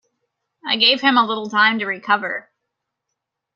I gave him a little time to recover.